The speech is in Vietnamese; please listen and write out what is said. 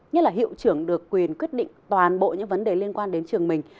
nhất là hiệu trưởng được quyền quyết định toàn bộ những vấn đề liên quan đến trường mình